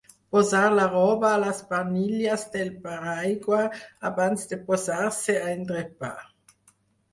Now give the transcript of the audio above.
Posar la roba a les barnilles del paraigua abans de posar-se a endrapar.